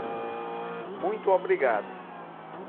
Muito obrigado.